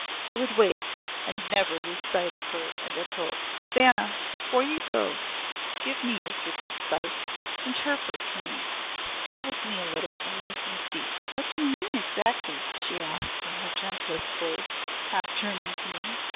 I would wait, and never lose sight of her and of hope. "Vanna, before you go, give me your gift of sight. Interpret for me. Stay with me a little and make me see." "What do you mean exactly?" she asked in her gentlest voice, half turning to me.